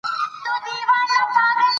دا نه ګوري چې نیمه شپه ده،